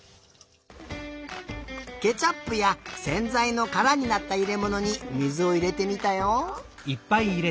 ケチャップやせんざいのからになったいれものに水をいれてみたよ。